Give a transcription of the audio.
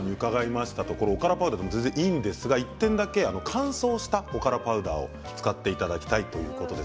おからパウダーでも全然いいんですが一点だけ乾燥したおからパウダーを使ってもらいたいということです。